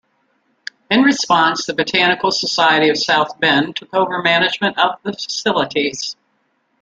In response, the Botanical Society of South Bend took over management of the facilities.